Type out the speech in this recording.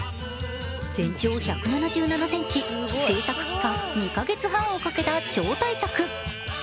全長１７７ｃｍ、制作期間２か月半をかけた超大作！